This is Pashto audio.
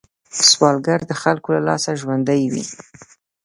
سوالګر د خلکو له لاسه ژوندی وي